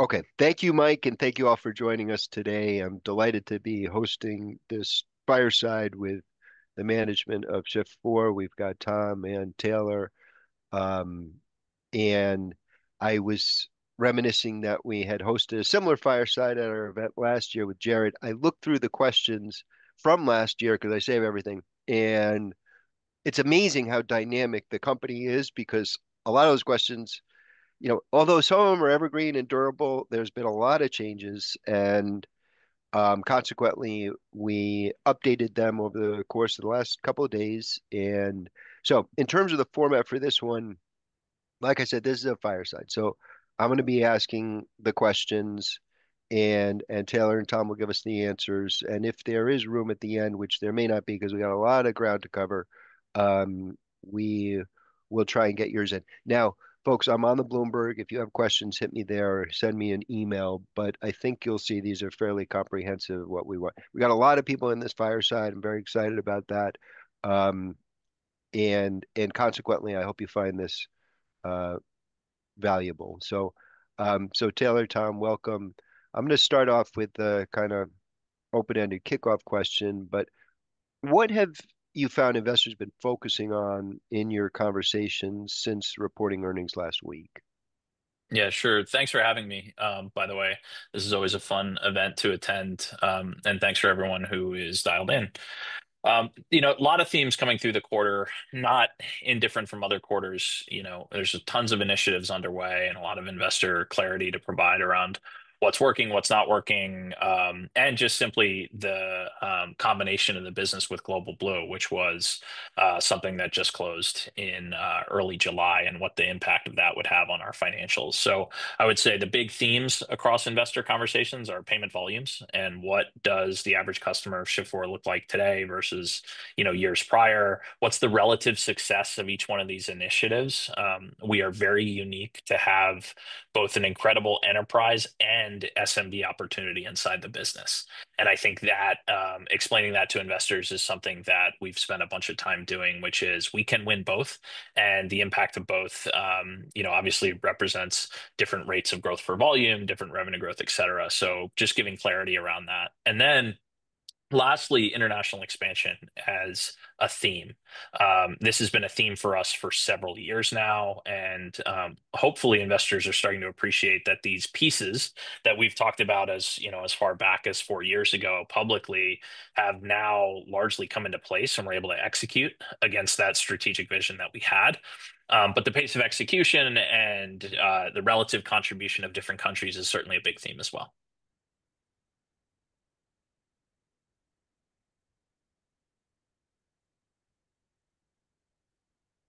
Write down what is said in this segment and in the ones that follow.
Okay, thank you, Mike, and thank you all for joining us today. I'm delighted to be hosting this fireside with the management of Shift4. We've got Tom and Taylor. I was reminiscing that we had hosted a similar fireside at our event last year with Jared. I looked through the questions from last year because I save everything. It's amazing how dynamic the company is because a lot of those questions, you know, although some of them are evergreen and durable, there's been a lot of changes. Consequently, we updated them over the course of the last couple of days. In terms of the format for this one, like I said, this is a fireside. I'm going to be asking the questions, and Taylor and Tom will give us the answers. If there is room at the end, which there may not be because we got a lot of ground to cover, we will try and get yours in. Now, folks, I'm on the Bloomberg. If you have questions, hit me there, or send me an email. I think you'll see these are fairly comprehensive of what we want. We got a lot of people in this fireside. I'm very excited about that. Consequently, I hope you find this valuable. Taylor, Tom, welcome. I'm going to start off with a kind of open-ended kickoff question. What have you found investors have been focusing on in your conversations since reporting earnings last week? Yeah, sure. Thanks for having me. By the way, this is always a fun event to attend. Thanks for everyone who is dialed in. A lot of themes coming through the quarter, not indifferent from other quarters. There are tons of initiatives underway and a lot of investor clarity to provide around what's working, what's not working, and simply the combination of the business with Global Blue, which was something that just closed in early July, and what the impact of that would have on our financials. I would say the big themes across investor conversations are payment volumes. What does the average customer of Shift4 look like today versus years prior? What's the relative success of each one of these initiatives? We are very unique to have both an incredible enterprise and SMB opportunity inside the business. I think that explaining that to investors is something that we've spent a bunch of time doing, which is we can win both. The impact of both obviously represents different rates of growth for volume, different revenue growth, etc. Just giving clarity around that. Lastly, international expansion as a theme. This has been a theme for us for several years now. Hopefully, investors are starting to appreciate that these pieces that we've talked about as far back as four years ago publicly have now largely come into place and we're able to execute against that strategic vision that we had. The pace of execution and the relative contribution of different countries is certainly a big theme as well.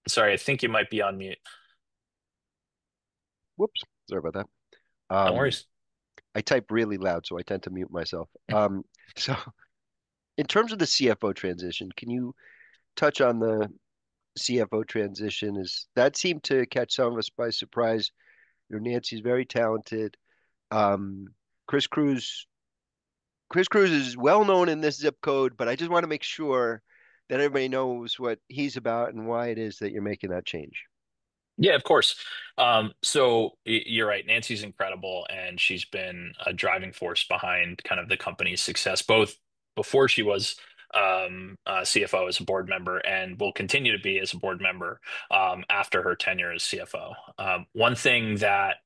Sorry, I think you might be on mute. Sorry about that. No worries. I type really loud, so I tend to mute myself. In terms of the CFO transition, can you touch on the CFO transition? That seemed to catch some of us by surprise. You know, Nancy's very talented. Chris Cruz is well known in this zip code, but I just want to make sure that everybody knows what he's about and why it is that you're making that change. Yeah, of course. You're right. Nancy's incredible, and she's been a driving force behind the company's success, both before she was CFO as a board member and will continue to be as a board member after her tenure as CFO. One thing that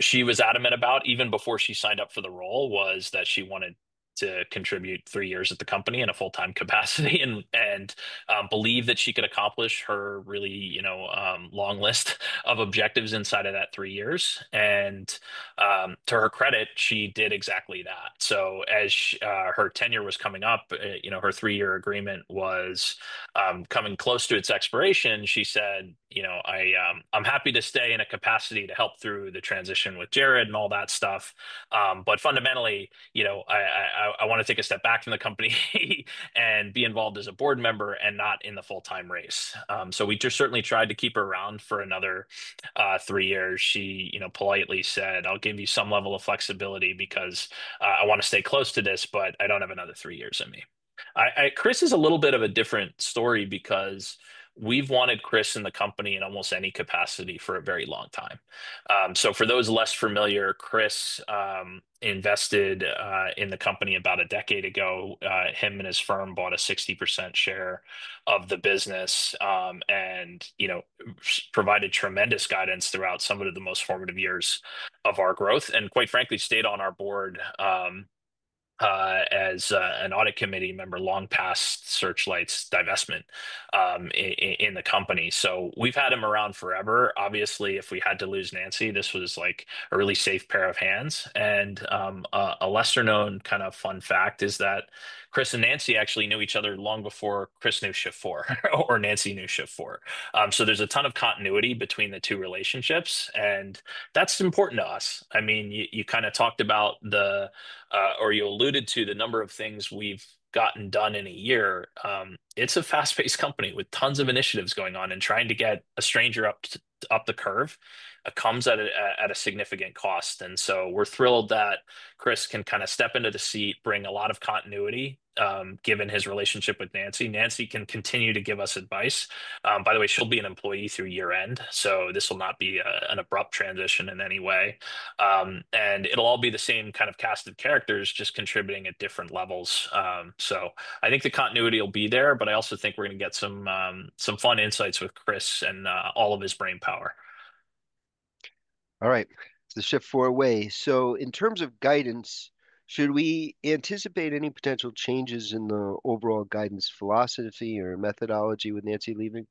she was adamant about even before she signed up for the role was that she wanted to contribute three years at the company in a full-time capacity and believed that she could accomplish her really long list of objectives inside of that three years. To her credit, she did exactly that. As her tenure was coming up, her three-year agreement was coming close to its expiration, she said, I'm happy to stay in a capacity to help through the transition with Jared and all that stuff. Fundamentally, I want to take a step back from the company and be involved as a board member and not in the full-time race. We certainly tried to keep her around for another three years. She politely said, I'll give you some level of flexibility because I want to stay close to this, but I don't have another three years in me. Chris is a little bit of a different story because we've wanted Chris in the company in almost any capacity for a very long time. For those less familiar, Chris invested in the company about a decade ago. He and his firm bought a 60% share of the business and provided tremendous guidance throughout some of the most formative years of our growth and quite frankly stayed on our board as an audit committee member long past Searchlight's divestment in the company. We've had him around forever. Obviously, if we had to lose Nancy, this was a really safe pair of hands. A lesser-known kind of fun fact is that Chris and Nancy actually knew each other long before Chris knew Shift4 or Nancy knew Shift4. There's a ton of continuity between the two relationships, and that's important to us. You kind of talked about, or you alluded to, the number of things we've gotten done in a year. It's a fast-paced company with tons of initiatives going on, and trying to get a stranger up the curve comes at a significant cost. We're thrilled that Chris can step into the seat, bring a lot of continuity given his relationship with Nancy. Nancy can continue to give us advice. By the way, she'll be an employee through year-end. This will not be an abrupt transition in any way. It'll all be the same cast of characters just contributing at different levels. I think the continuity will be there, but I also think we're going to get some fun insights with Chris and all of his brainpower. All right, the Shift4 way. In terms of guidance, should we anticipate any potential changes in the overall guidance philosophy or methodology with Nancy leaving?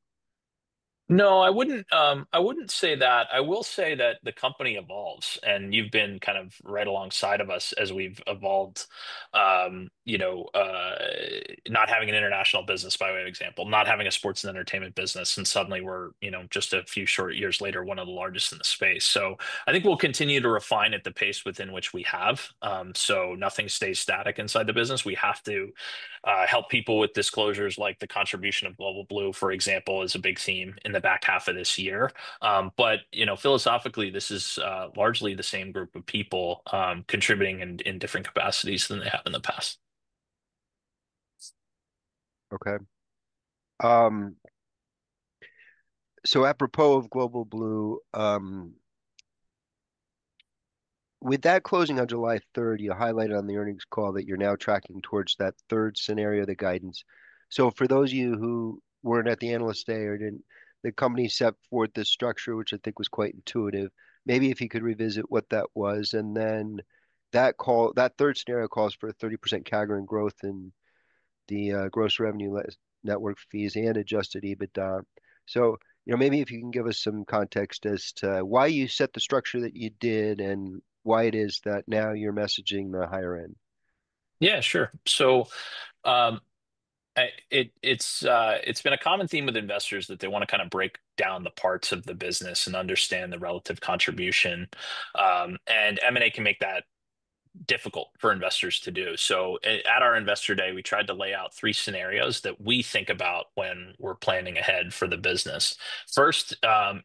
No, I wouldn't say that. I will say that the company evolves, and you've been kind of right alongside of us as we've evolved, not having an international business by way of example, not having a sports and entertainment business, and suddenly we're just a few short years later, one of the largest in the space. I think we'll continue to refine at the pace within which we have. Nothing stays static inside the business. We have to help people with disclosures like the contribution of Global Blue, for example, is a big theme in the back half of this year. Philosophically, this is largely the same group of people contributing in different capacities than they have in the past. Okay. Apropos of Global Blue, with that closing on July 3rd, you highlighted on the earnings call that you're now tracking towards that third scenario, the guidance. For those of you who weren't at the analyst day or didn't, the company set forth this structure, which I think was quite intuitive. Maybe if you could revisit what that was. That third scenario calls for a 30% CAGR in growth in the gross revenue less network fees and adjusted EBITDA. Maybe if you can give us some context as to why you set the structure that you did and why it is that now you're messaging the higher end. Yeah, sure. It's been a common theme with investors that they want to kind of break down the parts of the business and understand the relative contribution. M&A can make that difficult for investors to do. At our investor day, we tried to lay out three scenarios that we think about when we're planning ahead for the business. First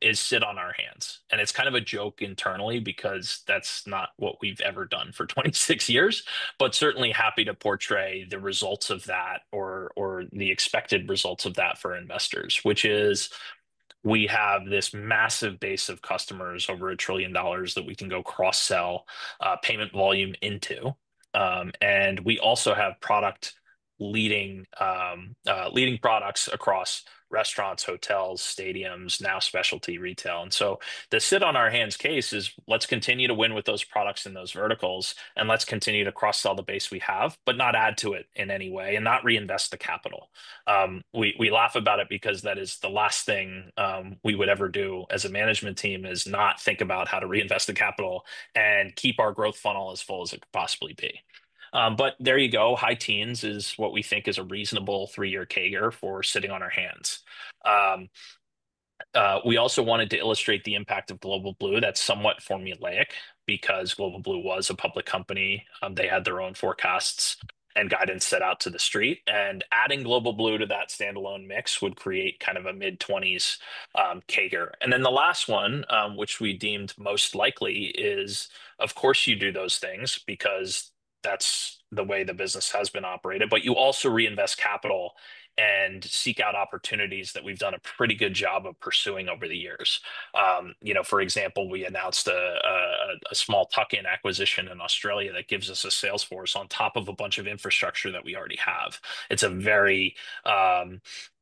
is sit on our hands. It's kind of a joke internally because that's not what we've ever done for 26 years, but certainly happy to portray the results of that or the expected results of that for investors, which is we have this massive base of customers, over $1 trillion, that we can go cross-sell payment volume into. We also have product leading products across restaurants, hotels, stadiums, now specialty retail. The sit on our hands case is let's continue to win with those products in those verticals, and let's continue to cross-sell the base we have, but not add to it in any way and not reinvest the capital. We laugh about it because that is the last thing we would ever do as a management team, not think about how to reinvest the capital and keep our growth funnel as full as it could possibly be. There you go, high teens is what we think is a reasonable three-year CAGR for sitting on our hands. We also wanted to illustrate the impact of Global Blue. That's somewhat formulaic because Global Blue was a public company. They had their own forecasts and guidance set out to the street. Adding Global Blue to that standalone mix would create kind of a mid-20s CAGR. The last one, which we deemed most likely, is of course you do those things because that's the way the business has been operated, but you also reinvest capital and seek out opportunities that we've done a pretty good job of pursuing over the years. For example, we announced a small tuck-in acquisition in Australia that gives us a sales force on top of a bunch of infrastructure that we already have. It's a very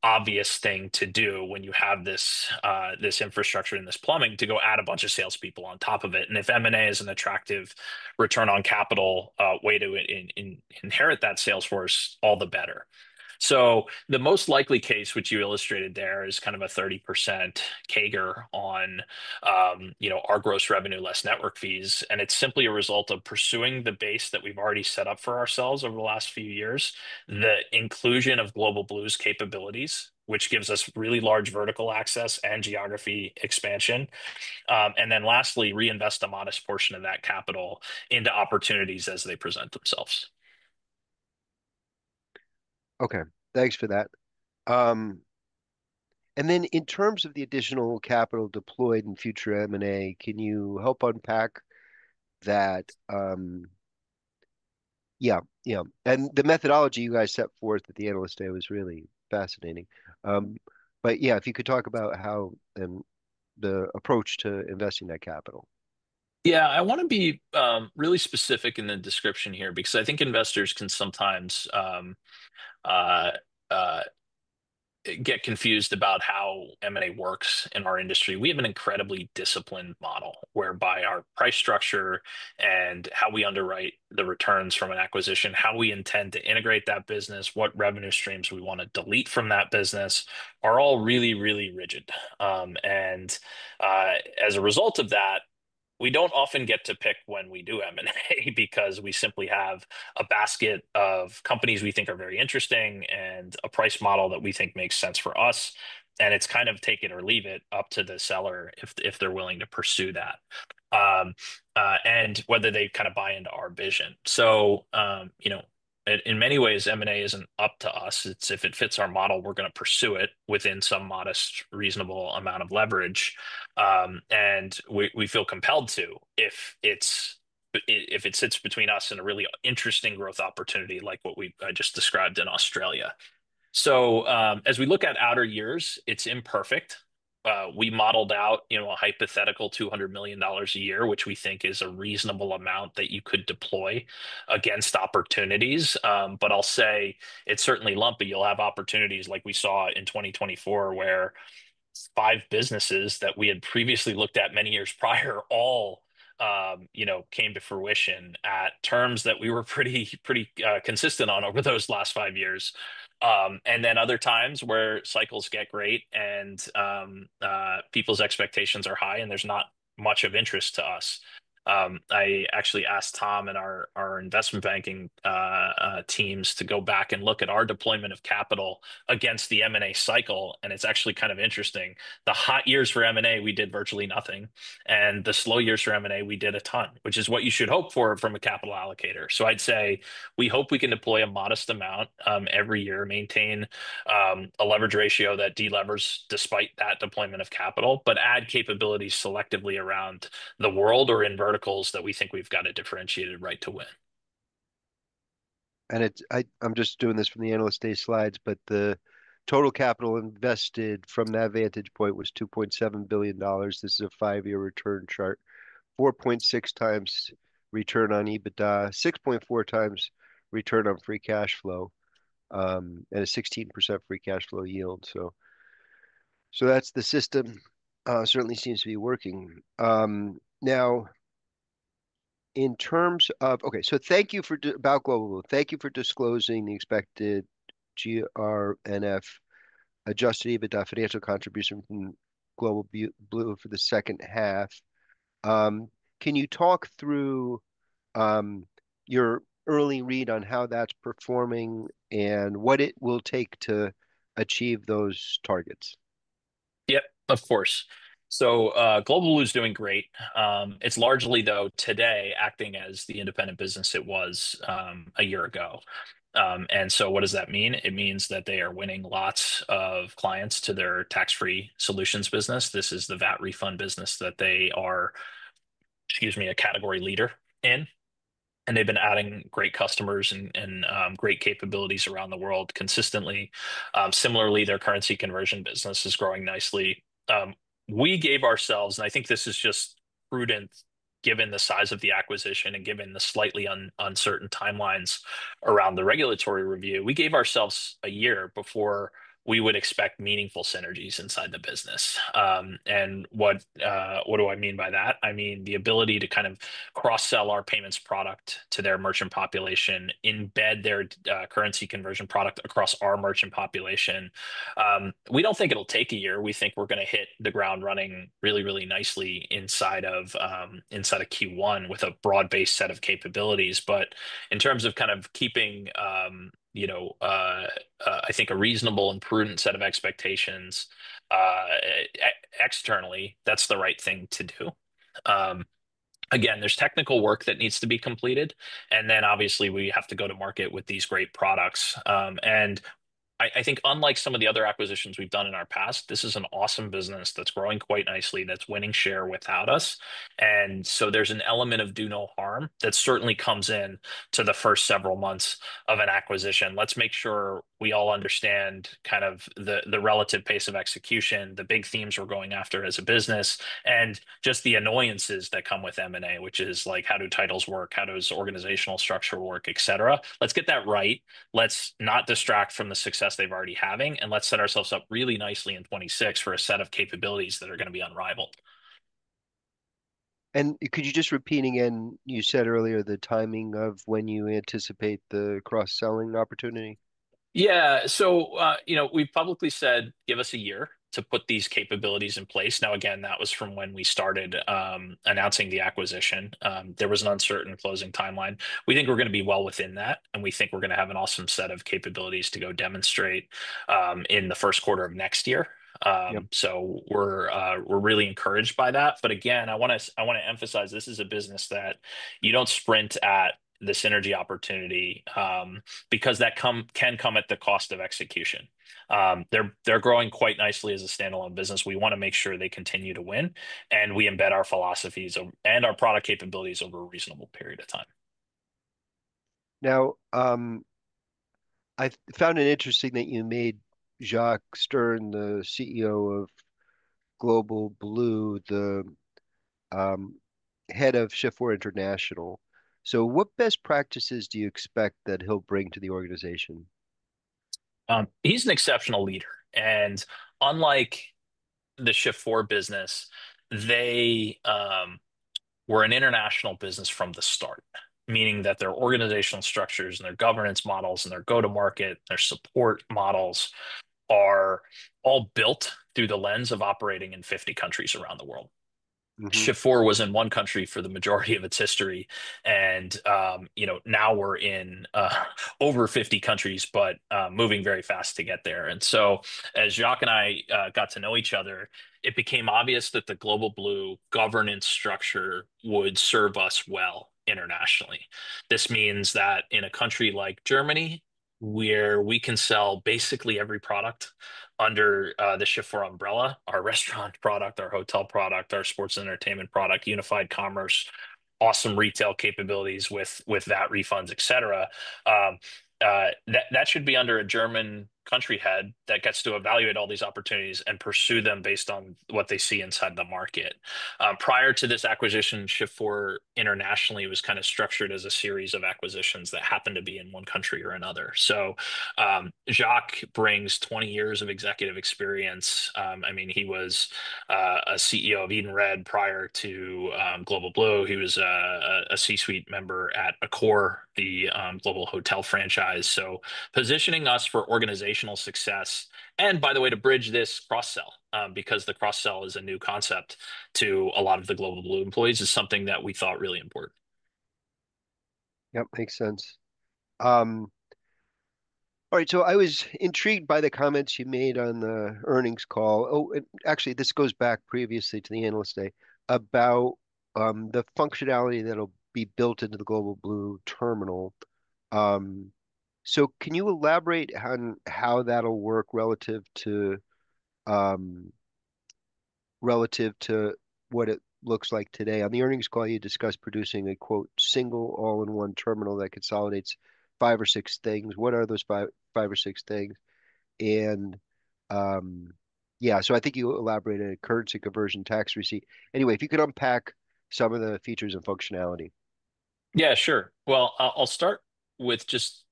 obvious thing to do when you have this infrastructure and this plumbing to go add a bunch of salespeople on top of it. If M&A is an attractive return on capital way to inherit that sales force, all the better. The most likely case, which you illustrated there, is kind of a 30% CAGR on our gross revenue less network fees. It's simply a result of pursuing the base that we've already set up for ourselves over the last few years, the inclusion of Global Blue's capabilities, which gives us really large vertical access and geography expansion. Lastly, reinvest a modest portion of that capital into opportunities as they present themselves. Okay, thanks for that. In terms of the additional capital deployed in future M&A, can you help unpack that? Yeah, yeah. The methodology you guys set forth at the analyst day was really fascinating. If you could talk about how the approach to investing that capital. Yeah, I want to be really specific in the description here because I think investors can sometimes get confused about how M&A works in our industry. We have an incredibly disciplined model whereby our price structure and how we underwrite the returns from an acquisition, how we intend to integrate that business, what revenue streams we want to delete from that business are all really, really rigid. As a result of that, we don't often get to pick when we do M&A because we simply have a basket of companies we think are very interesting and a price model that we think makes sense for us. It's kind of take it or leave it up to the seller if they're willing to pursue that and whether they kind of buy into our vision. In many ways, M&A isn't up to us. If it fits our model, we're going to pursue it within some modest, reasonable amount of leverage. We feel compelled to if it sits between us and a really interesting growth opportunity like what we just described in Australia. As we look at outer years, it's imperfect. We modeled out, you know, a hypothetical $200 million a year, which we think is a reasonable amount that you could deploy against opportunities. I'll say it's certainly lumpy. You'll have opportunities like we saw in 2024 where five businesses that we had previously looked at many years prior all, you know, came to fruition at terms that we were pretty, pretty consistent on over those last five years. Other times where cycles get great and people's expectations are high and there's not much of interest to us. I actually asked Tom and our investment banking teams to go back and look at our deployment of capital against the M&A cycle. It's actually kind of interesting. The hot years for M&A, we did virtually nothing. The slow years for M&A, we did a ton, which is what you should hope for from a capital allocator. I'd say we hope we can deploy a modest amount every year, maintain a leverage ratio that delivers despite that deployment of capital, but add capabilities selectively around the world or in verticals that we think we've got a differentiated right to win. I'm just doing this from the analyst day slides, but the total capital invested from that vantage point was $2.7 billion. This is a five-year return chart. 4.6x return on EBITDA, 6.4x return on free cash flow, and a 16% free cash flow yield. That is the system. It certainly seems to be working. In terms of, okay, thank you for Global Blue. Thank you for disclosing the expected GRNF adjusted EBITDA financial contribution from Global Blue for the second half. Can you talk through your early read on how that's performing and what it will take to achieve those targets? Of course. Global Blue is doing great. It's largely, though, today acting as the independent business it was a year ago. What does that mean? It means that they are winning lots of clients to their tax-free solutions business. This is the VAT refund business that they are, excuse me, a category leader in. They've been adding great customers and great capabilities around the world consistently. Similarly, their currency conversion business is growing nicely. We gave ourselves, and I think this is just prudent given the size of the acquisition and given the slightly uncertain timelines around the regulatory review, a year before we would expect meaningful synergies inside the business. What do I mean by that? I mean the ability to kind of cross-sell our payments product to their merchant population, embed their currency conversion product across our merchant population. We do not think it'll take a year. We think we're going to hit the ground running really, really nicely inside of Q1 with a broad-based set of capabilities. In terms of kind of keeping, you know, I think a reasonable and prudent set of expectations externally, that's the right thing to do. There is technical work that needs to be completed. Obviously, we have to go to market with these great products. I think unlike some of the other acquisitions we've done in our past, this is an awesome business that's growing quite nicely, that's winning share without us. There is an element of do no harm that certainly comes into the first several months of an acquisition. Let's make sure we all understand kind of the relative pace of execution, the big themes we're going after as a business, and just the annoyances that come with M&A, which is like how do titles work, how does organizational structure work, et cetera. Let's get that right. Let's not distract from the success they've already been having, and let's set ourselves up really nicely in 2026 for a set of capabilities that are going to be unrivaled. Could you just repeat again, you said earlier the timing of when you anticipate the cross-selling opportunity? Yeah, so we've publicly said give us a year to put these capabilities in place. Now, again, that was from when we started announcing the acquisition. There was an uncertain closing timeline. We think we're going to be well within that, and we think we're going to have an awesome set of capabilities to go demonstrate in the first quarter of next year. We're really encouraged by that. Again, I want to emphasize this is a business that you don't sprint at the synergy opportunity because that can come at the cost of execution. They're growing quite nicely as a standalone business. We want to make sure they continue to win, and we embed our philosophies and our product capabilities over a reasonable period of time. Now, I found it interesting that you made Jacques Stern, the CEO of Global Blue, the head of Shift4 International. What best practices do you expect that he'll bring to the organization? He's an exceptional leader. Unlike the Shift4 business, they were an international business from the start, meaning that their organizational structures, their governance models, and their go-to-market, their support models are all built through the lens of operating in 50 countries around the world. Shift4 was in one country for the majority of its history, and now we're in over 50 countries, moving very fast to get there. As Jacques and I got to know each other, it became obvious that the Global Blue governance structure would serve us well internationally. This means that in a country like Germany, where we can sell basically every product under the Shift4 umbrella—our restaurant product, our hotel product, our sports and entertainment product, unified commerce, awesome retail capabilities with VAT refunds, et cetera—that should be under a German country head that gets to evaluate all these opportunities and pursue them based on what they see inside the market. Prior to this acquisition, Shift4 internationally was kind of structured as a series of acquisitions that happened to be in one country or another. Jacques brings 20 years of executive experience. He was a CEO of Edenred prior to Global Blue. He was a C-suite member at Accor, the global hotel franchise. Positioning us for organizational success, and by the way, to bridge this cross-sell, because the cross-sell is a new concept to a lot of the Global Blue employees, is something that we thought really important. Yep, makes sense. All right, I was intrigued by the comments you made on the earnings call. Actually, this goes back previously to the analyst day about the functionality that'll be built into the Global Blue terminal. Can you elaborate on how that'll work relative to what it looks like today? On the earnings call, you discussed producing a "single all-in-one terminal that consolidates five or six things." What are those five or six things? I think you elaborated on a currency conversion tax receipt. If you could unpack some of the features and functionality. Yeah, sure. I'll start with just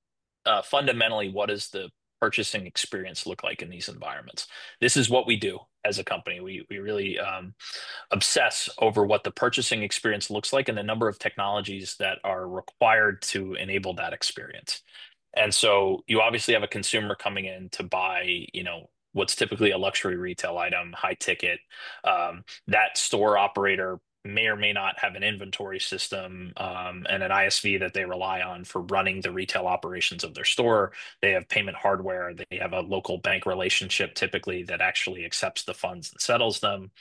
fundamentally, what does the purchasing experience look like in these environments? This is what we do as a company. We really obsess over what the purchasing experience looks like and the number of technologies that are required to enable that experience. You obviously have a consumer coming in to buy what's typically a luxury retail item, high ticket. That store operator may or may not have an inventory system and an ISV that they rely on for running the retail operations of their store. They have payment hardware. They have a local bank relationship typically that actually accepts the funds and settles them.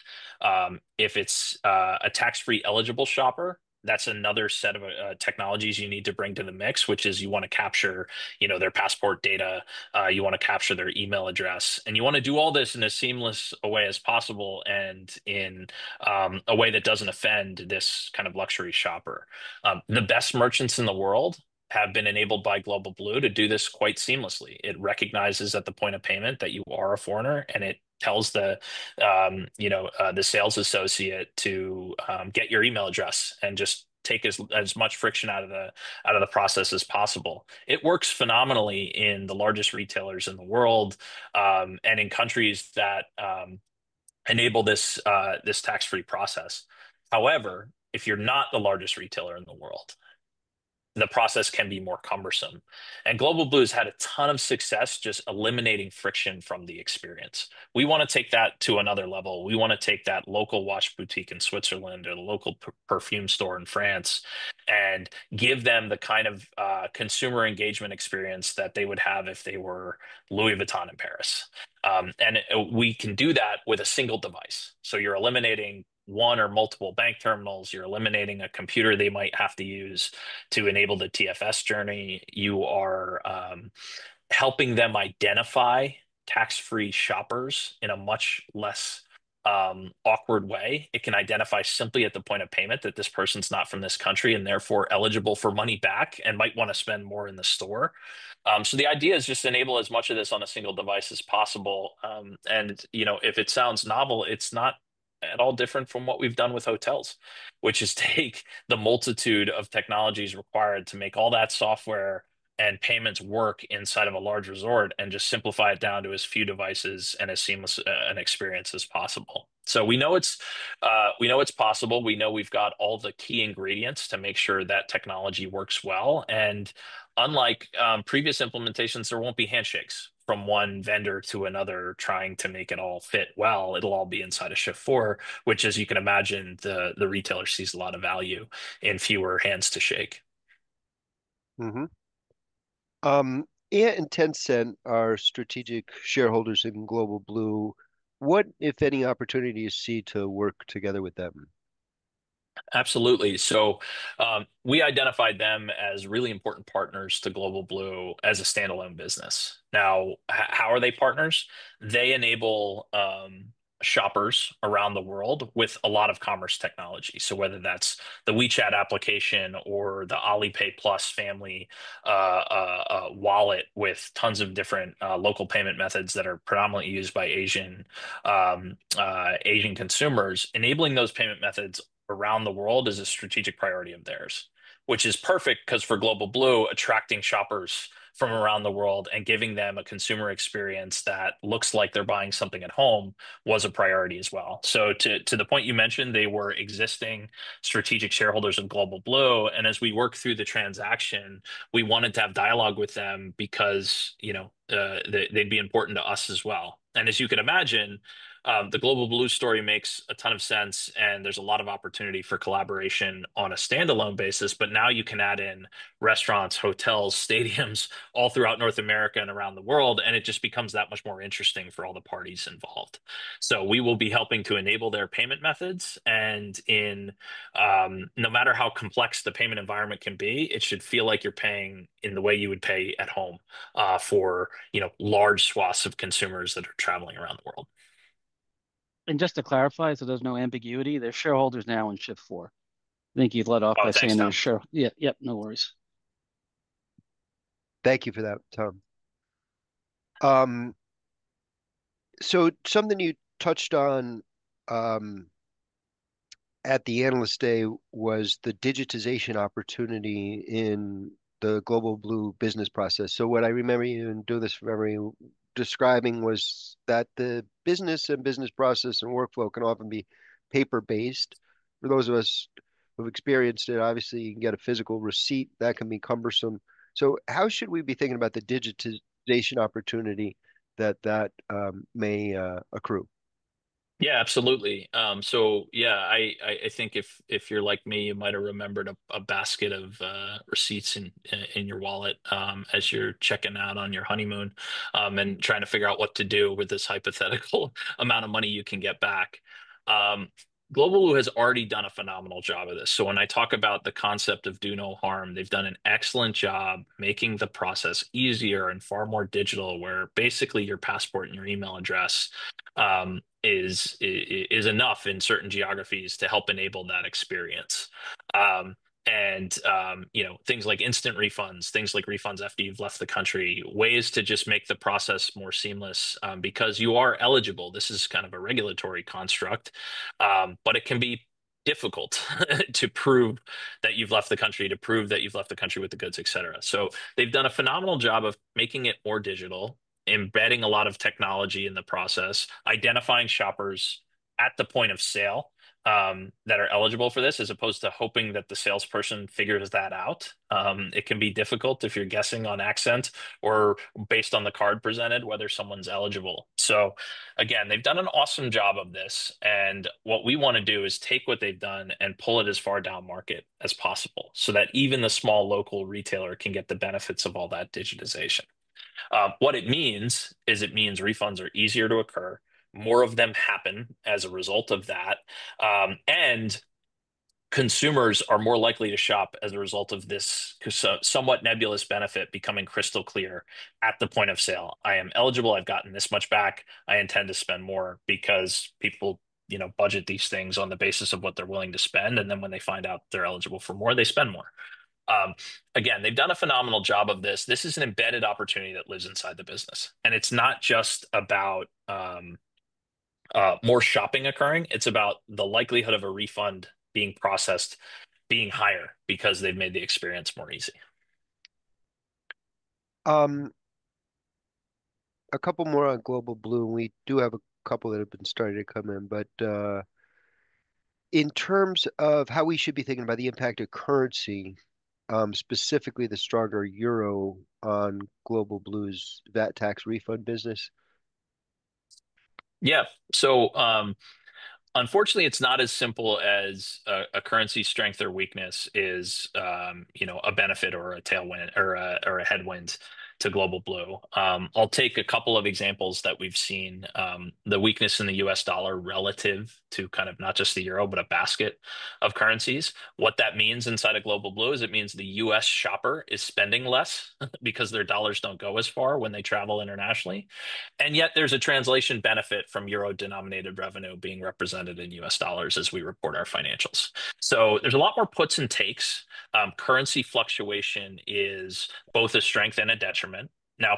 If it's a tax-free eligible shopper, that's another set of technologies you need to bring to the mix, which is you want to capture their passport data, you want to capture their email address, and you want to do all this in as seamless a way as possible and in a way that doesn't offend this kind of luxury shopper. The best merchants in the world have been enabled by Global Blue to do this quite seamlessly. It recognizes at the point of payment that you are a foreigner, and it tells the sales associate to get your email address and just take as much friction out of the process as possible. It works phenomenally in the largest retailers in the world and in countries that enable this tax-free process. However, if you're not the largest retailer in the world, the process can be more cumbersome. Global Blue has had a ton of success just eliminating friction from the experience. We want to take that to another level. We want to take that local wash boutique in Switzerland and a local perfume store in France and give them the kind of consumer engagement experience that they would have if they were Louis Vuitton in Paris. We can do that with a single device. You're eliminating one or multiple bank terminals. You're eliminating a computer they might have to use to enable the TFS journey. You are helping them identify tax-free shoppers in a much less awkward way. It can identify simply at the point of payment that this person's not from this country and therefore eligible for money back and might want to spend more in the store. The idea is just to enable as much of this on a single device as possible. If it sounds novel, it's not at all different from what we've done with hotels, which is take the multitude of technologies required to make all that software and payments work inside of a large resort and just simplify it down to as few devices and as seamless an experience as possible. We know it's possible. We know we've got all the key ingredients to make sure that technology works well. Unlike previous implementations, there won't be handshakes from one vendor to another trying to make it all fit well. It'll all be inside Shift4, which, as you can imagine, the retailer sees a lot of value in fewer hands to shake. Ant and Tencent are strategic shareholders in Global Blue. What, if any, opportunity do you see to work together with them? Absolutely. We identified them as really important partners to Global Blue as a standalone business. How are they partners? They enable shoppers around the world with a lot of commerce technology. Whether that's the WeChat application or the Alipay+ family wallet with tons of different local payment methods that are predominantly used by Asian consumers, enabling those payment methods around the world is a strategic priority of theirs, which is perfect because for Global Blue, attracting shoppers from around the world and giving them a consumer experience that looks like they're buying something at home was a priority as well. To the point you mentioned, they were existing strategic shareholders of Global Blue. As we work through the transaction, we wanted to have dialogue with them because they'd be important to us as well. The Global Blue story makes a ton of sense, and there's a lot of opportunity for collaboration on a standalone basis. Now you can add in restaurants, hotels, stadiums all throughout North America and around the world, and it just becomes that much more interesting for all the parties involved. We will be helping to enable their payment methods. No matter how complex the payment environment can be, it should feel like you're paying in the way you would pay at home for large swaths of consumers that are traveling around the world. Just to clarify, so there's no ambiguity. There are shareholders now in Shift4. I think you led off by saying that. Yeah, yep, no worries. Thank you for that, Tom. Something you touched on at the analyst day was the digitization opportunity in the Global Blue business process. What I remember you describing was that the business and business process and workflow can often be paper-based. For those of us who've experienced it, obviously you can get a physical receipt. That can be cumbersome. How should we be thinking about the digitization opportunity that may accrue? Yeah, absolutely. I think if you're like me, you might have remembered a basket of receipts in your wallet as you're checking out on your honeymoon and trying to figure out what to do with this hypothetical amount of money you can get back. Global Blue has already done a phenomenal job of this. When I talk about the concept of do no harm, they've done an excellent job making the process easier and far more digital, where basically your passport and your email address is enough in certain geographies to help enable that experience. Things like instant refunds, things like refunds after you've left the country, ways to just make the process more seamless because you are eligible. This is kind of a regulatory construct, but it can be difficult to prove that you've left the country, to prove that you've left the country with the goods, et cetera. They've done a phenomenal job of making it more digital, embedding a lot of technology in the process, identifying shoppers at the point of sale that are eligible for this, as opposed to hoping that the salesperson figures that out. It can be difficult if you're guessing on accent or based on the card presented, whether someone's eligible. They've done an awesome job of this. What we want to do is take what they've done and pull it as far down market as possible so that even the small local retailer can get the benefits of all that digitization. What it means is it means refunds are easier to occur, more of them happen as a result of that, and consumers are more likely to shop as a result of this somewhat nebulous benefit becoming crystal clear at the point of sale. I am eligible. I've gotten this much back. I intend to spend more because people, you know, budget these things on the basis of what they're willing to spend. When they find out they're eligible for more, they spend more. They've done a phenomenal job of this. This is an embedded opportunity that lives inside the business. It's not just about more shopping occurring. It's about the likelihood of a refund being processed being higher because they've made the experience more easy. A couple more on Global Blue, and we do have a couple that have been starting to come in, but in terms of how we should be thinking about the impact of currency, specifically the stronger euro on Global Blue's VAT refund business. Yeah, unfortunately, it's not as simple as a currency strength or weakness is a benefit or a tailwind or a headwind to Global Blue. I'll take a couple of examples that we've seen. The weakness in the US dollar relative to not just the euro, but a basket of currencies means the U.S. shopper is spending less because their dollars don't go as far when they travel internationally. Yet there's a translation benefit from euro-denominated revenue being represented in US dollars as we report our financials. There's a lot more puts and takes. Currency fluctuation is both a strength and a detriment.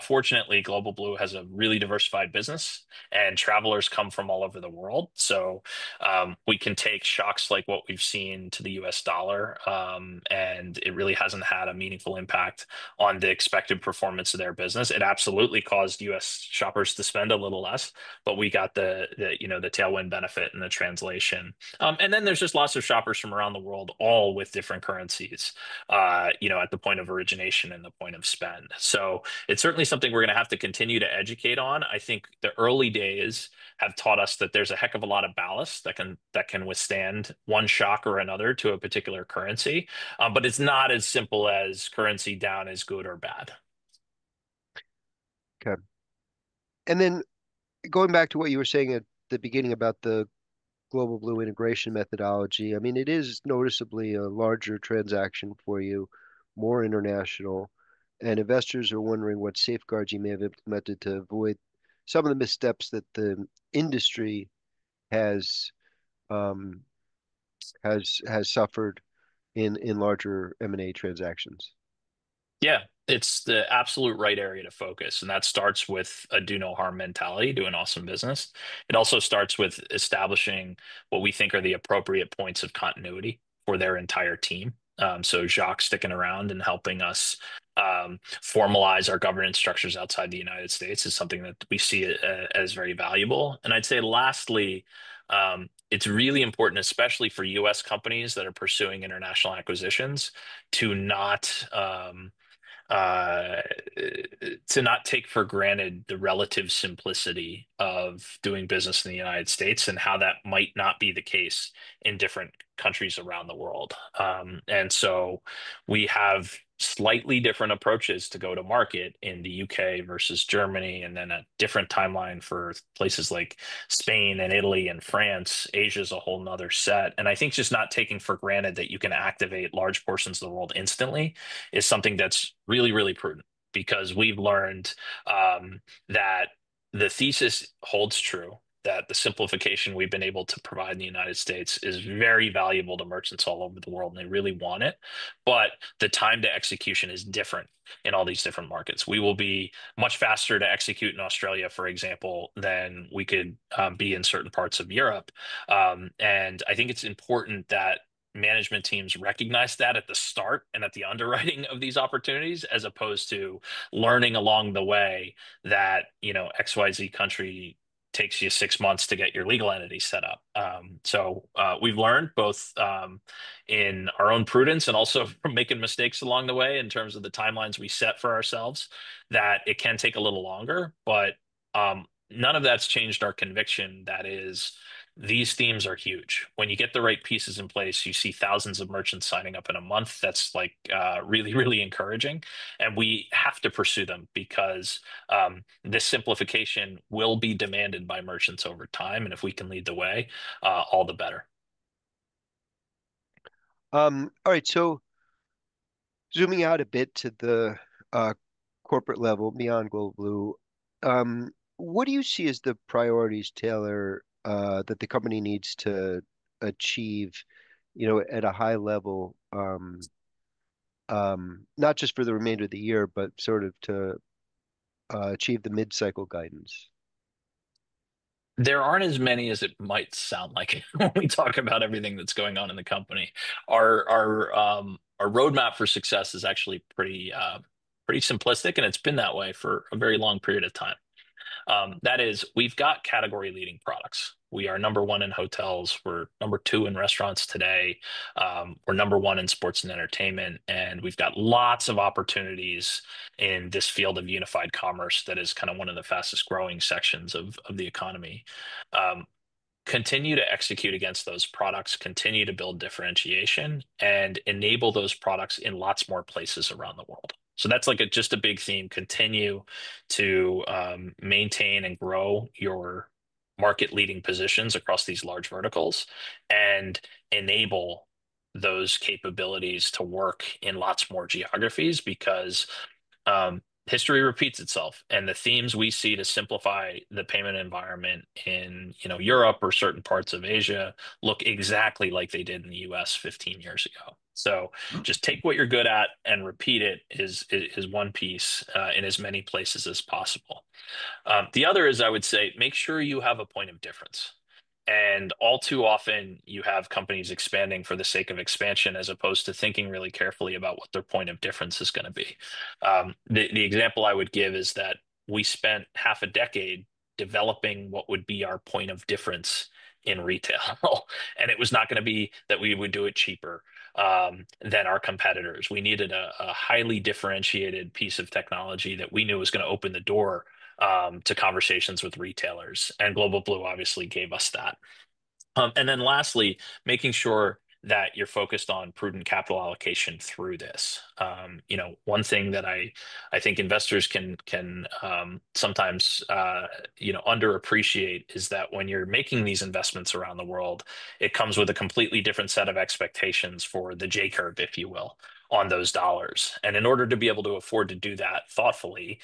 Fortunately, Global Blue has a really diversified business, and travelers come from all over the world. We can take shocks like what we've seen to the US dollar, and it really hasn't had a meaningful impact on the expected performance of their business. It absolutely caused U.S. shoppers to spend a little less, but we got the tailwind benefit in the translation. There are just lots of shoppers from around the world, all with different currencies at the point of origination and the point of spend. It's certainly something we're going to have to continue to educate on. I think the early days have taught us that there's a heck of a lot of ballast that can withstand one shock or another to a particular currency, but it's not as simple as currency down is good or bad. Okay. Going back to what you were saying at the beginning about the Global Blue integration methodology, it is noticeably a larger transaction for you, more international, and investors are wondering what safeguards you may have implemented to avoid some of the missteps that the industry has suffered in larger M&A transactions. Yeah, it's the absolute right area to focus, and that starts with a do no harm mentality, doing awesome business. It also starts with establishing what we think are the appropriate points of continuity for their entire team. Jacques sticking around and helping us formalize our governance structures outside the U.S. is something that we see as very valuable. I'd say lastly, it's really important, especially for U.S. companies that are pursuing international acquisitions, to not take for granted the relative simplicity of doing business in the U.S. and how that might not be the case in different countries around the world. We have slightly different approaches to go to market in the U.K. versus Germany, and then a different timeline for places like Spain, Italy, and France. Asia is a whole other set. I think just not taking for granted that you can activate large portions of the world instantly is something that's really, really prudent because we've learned that the thesis holds true that the simplification we've been able to provide in the U.S. is very valuable to merchants all over the world, and they really want it. The time to execution is different in all these different markets. We will be much faster to execute in Australia, for example, than we could be in certain parts of Europe. I think it's important that management teams recognize that at the start and at the underwriting of these opportunities, as opposed to learning along the way that, you know, XYZ country takes you six months to get your legal entity set up. We've learned both in our own prudence and also from making mistakes along the way in terms of the timelines we set for ourselves that it can take a little longer, but none of that's changed our conviction that these themes are huge. When you get the right pieces in place, you see thousands of merchants signing up in a month. That's like really, really encouraging. We have to pursue them because this simplification will be demanded by merchants over time. If we can lead the way, all the better. All right, zooming out a bit to the corporate level beyond Global Blue, what do you see as the priorities, Taylor, that the company needs to achieve at a high level, not just for the remainder of the year, but to achieve the mid-cycle guidance? There aren't as many as it might sound like when we talk about everything that's going on in the company. Our roadmap for success is actually pretty simplistic, and it's been that way for a very long period of time. That is, we've got category-leading products. We are number one in hotels. We're number two in restaurants today. We're number one in sports and entertainment. We've got lots of opportunities in this field of unified commerce that is kind of one of the fastest growing sections of the economy. Continue to execute against those products, continue to build differentiation, and enable those products in lots more places around the world. That's just a big theme. Continue to maintain and grow your market-leading positions across these large verticals and enable those capabilities to work in lots more geographies because history repeats itself. The themes we see to simplify the payment environment in Europe or certain parts of Asia look exactly like they did in the U.S. 15 years ago. Just take what you're good at and repeat it in as many places as possible. The other is, I would say, make sure you have a point of difference. All too often, you have companies expanding for the sake of expansion as opposed to thinking really carefully about what their point of difference is going to be. The example I would give is that we spent half a decade developing what would be our point of difference in retail. It was not going to be that we would do it cheaper than our competitors. We needed a highly differentiated piece of technology that we knew was going to open the door to conversations with retailers. Global Blue obviously gave us that. Lastly, making sure that you're focused on prudent capital allocation through this. One thing that I think investors can sometimes underappreciate is that when you're making these investments around the world, it comes with a completely different set of expectations for the J-curve, if you will, on those dollars. In order to be able to afford to do that thoughtfully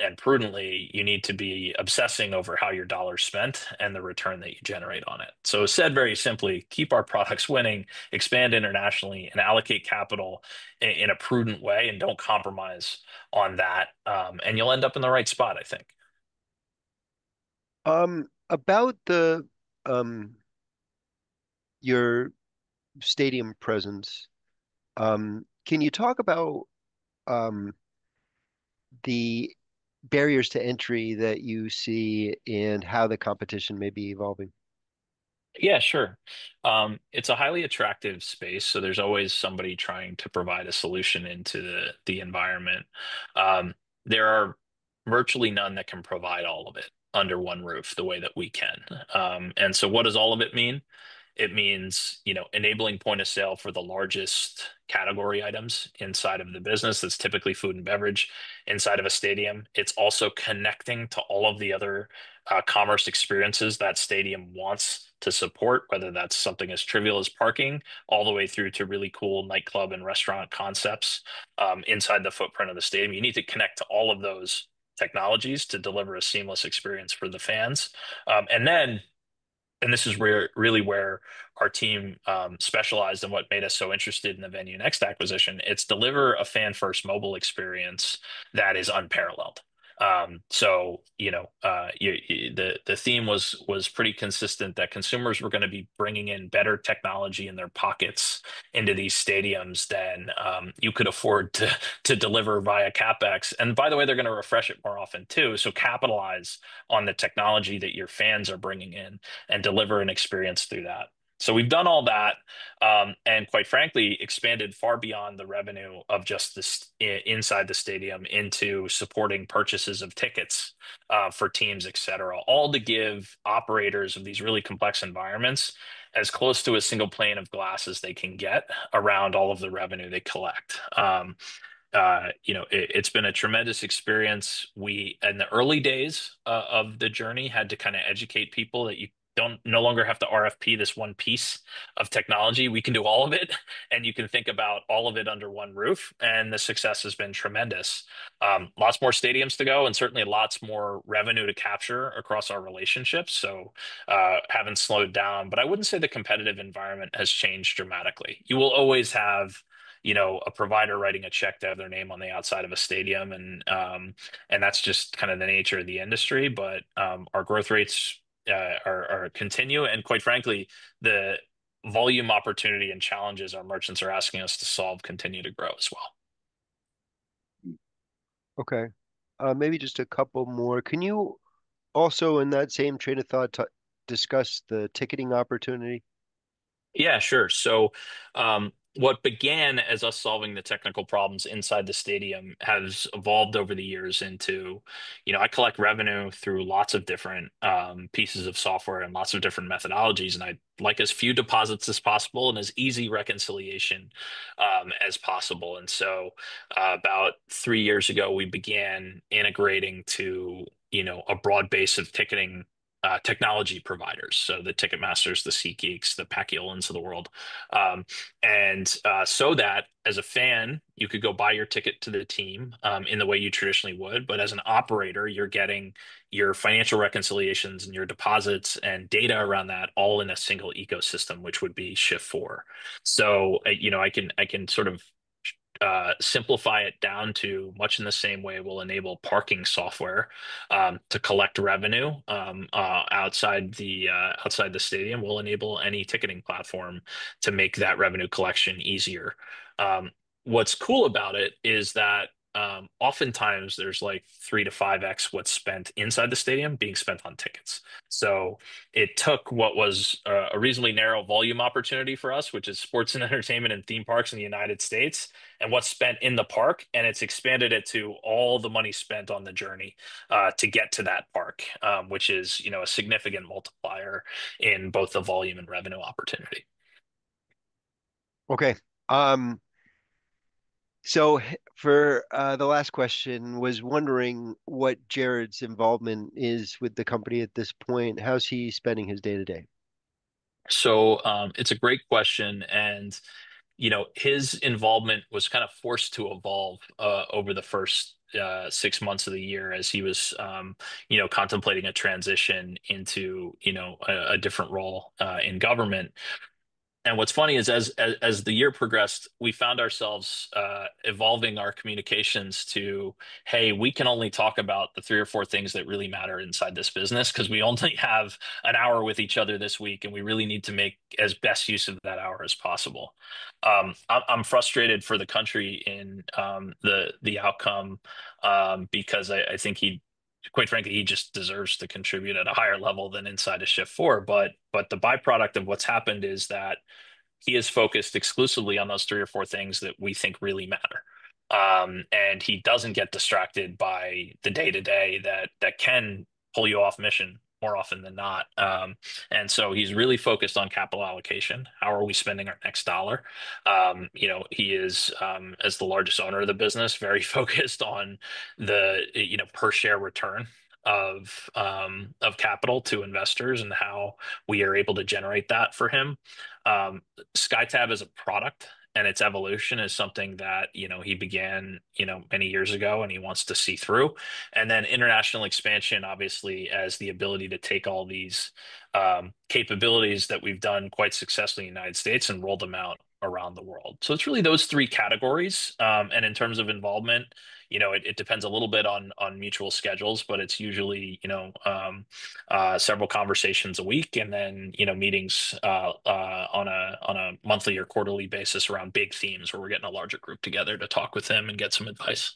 and prudently, you need to be obsessing over how your dollars are spent and the return that you generate on it. Said very simply, keep our products winning, expand internationally, and allocate capital in a prudent way and don't compromise on that. You'll end up in the right spot, I think. About your stadium presence, can you talk about the barriers to entry that you see and how the competition may be evolving? Yeah, sure. It's a highly attractive space, so there's always somebody trying to provide a solution into the environment. There are virtually none that can provide all of it under one roof the way that we can. What does all of it mean? It means enabling point of sale for the largest category items inside of the business. It's typically food and beverage inside of a stadium. It's also connecting to all of the other commerce experiences that stadium wants to support, whether that's something as trivial as parking all the way through to really cool nightclub and restaurant concepts inside the footprint of the stadium. You need to connect to all of those technologies to deliver a seamless experience for the fans. This is really where our team specialized and what made us so interested in the VenueNext acquisition. It's deliver a fan-first mobile experience that is unparalleled. The theme was pretty consistent that consumers were going to be bringing in better technology in their pockets into these stadiums than you could afford to deliver via CapEx. By the way, they're going to refresh it more often too. Capitalize on the technology that your fans are bringing in and deliver an experience through that. We've done all that and, quite frankly, expanded far beyond the revenue of just inside the stadium into supporting purchases of tickets for teams, et cetera, all to give operators of these really complex environments as close to a single pane of glass as they can get around all of the revenue they collect. It's been a tremendous experience. In the early days of the journey, we had to kind of educate people that you no longer have to RFP this one piece of technology. We can do all of it, and you can think about all of it under one roof. The success has been tremendous. Lots more stadiums to go and certainly lots more revenue to capture across our relationships. Haven't slowed down, but I wouldn't say the competitive environment has changed dramatically. You will always have a provider writing a check to have their name on the outside of a stadium, and that's just kind of the nature of the industry. Our growth rates continue and, quite frankly, the volume opportunity and challenges our merchants are asking us to solve continue to grow as well. Okay, maybe just a couple more. Can you also, in that same train of thought, discuss the ticketing opportunity? Yeah, sure. What began as us solving the technical problems inside the stadium has evolved over the years into, you know, I collect revenue through lots of different pieces of software and lots of different methodologies. I'd like as few deposits as possible and as easy reconciliation as possible. About three years ago, we began integrating to, you know, a broad base of ticketing technology providers, so the Ticketmasters, the SeatGeeks, the Paciolan of the world. That way, as a fan, you could go buy your ticket to the team in the way you traditionally would, but as an operator, you're getting your financial reconciliations and your deposits and data around that all in a single ecosystem, which would be Shift4. I can sort of simplify it down to much in the same way we'll enable parking software to collect revenue outside the stadium. We'll enable any ticketing platform to make that revenue collection easier. What's cool about it is that oftentimes there's like 3x to 5x what's spent inside the stadium being spent on tickets. It took what was a reasonably narrow volume opportunity for us, which is sports and entertainment and theme parks in the United States, and what's spent in the park, and it's expanded it to all the money spent on the journey to get to that park, which is a significant multiplier in both the volume and revenue opportunity. Okay. For the last question, I was wondering what Jared's involvement is with the company at this point. How's he spending his day-to-day? It's a great question. His involvement was kind of forced to evolve over the first six months of the year as he was contemplating a transition into a different role in government. What's funny is as the year progressed, we found ourselves evolving our communications to, hey, we can only talk about the three or four things that really matter inside this business because we only have an hour with each other this week, and we really need to make as best use of that hour as possible. I'm frustrated for the country in the outcome because I think he, quite frankly, just deserves to contribute at a higher level than inside Shift4. The byproduct of what's happened is that he is focused exclusively on those three or four things that we think really matter. He doesn't get distracted by the day-to-day that can pull you off mission more often than not. He's really focused on capital allocation. How are we spending our next dollar? He is, as the largest owner of the business, very focused on the per share return of capital to investors and how we are able to generate that for him. SkyTab is a product, and its evolution is something that he began many years ago, and he wants to see through. International expansion, obviously, as the ability to take all these capabilities that we've done quite successfully in the United States and roll them out around the world. It's really those three categories. In terms of involvement, it depends a little bit on mutual schedules, but it's usually several conversations a week and then meetings on a monthly or quarterly basis around big themes where we're getting a larger group together to talk with them and get some advice.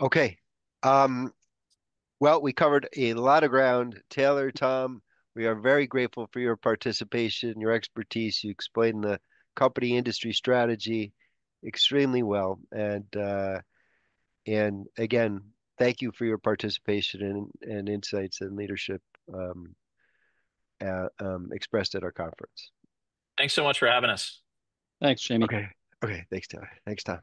Okay. We covered a lot of ground. Taylor, Tom, we are very grateful for your participation and your expertise. You explained the company, industry, and strategy extremely well. Again, thank you for your participation, insights, and leadership expressed at our conference. Thanks so much for having us. Thanks, Jamie. Okay, thanks, Taylor. Thanks, Tom.